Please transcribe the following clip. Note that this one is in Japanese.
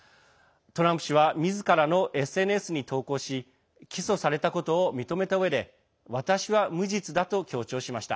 トランプ氏はみずからのＳＮＳに投稿し起訴されたことを認めたうえで私は無実だと強調しました。